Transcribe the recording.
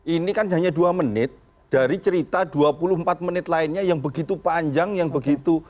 ini kan hanya dua menit dari cerita dua puluh empat menit lainnya yang begitu panjang yang begitu